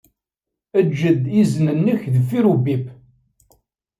Eǧǧ-d izen-nnek deffir ubip.